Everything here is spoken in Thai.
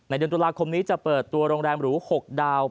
เดือนตุลาคมนี้จะเปิดตัวโรงแรมหรู๖ดาว